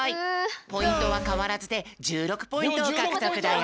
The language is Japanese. ポイントはかわらずで１６ポイントかくとくだよ。